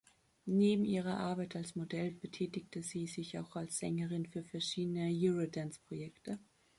Neben ihrer Arbeit als Modell betätigte sie sich auch als Sängerin für verschiedene Eurodance-Projekte.